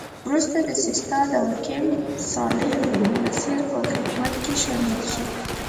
وروسته د سیستان د حاکم صالح بن نصر په خدمت کې شامل شو.